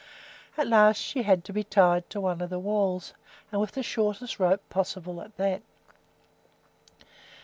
At last she had to be tied to one of the walls, and with the shortest rope possible at that.